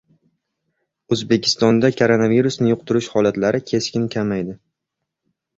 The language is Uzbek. O‘zbekistonda koronavirusni yuqtirish holatlari keskin kamaydi